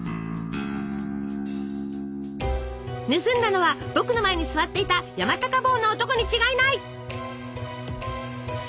「盗んだのは僕の前に座っていた山高帽の男に違いない！」。